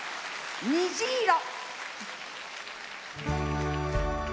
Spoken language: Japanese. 「にじいろ」。